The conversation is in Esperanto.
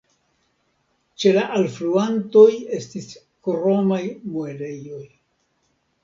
Ĉe la alfluantoj estis kromaj muelejoj.